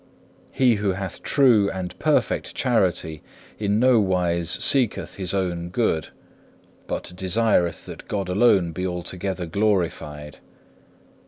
3. He who hath true and perfect charity, in no wise seeketh his own good, but desireth that God alone be altogether glorified.